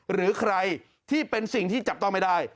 หรือใครที่เป็นสิ่งที่จับต้องไม่ได้